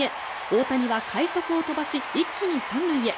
大谷は快足を飛ばし一気に３塁へ。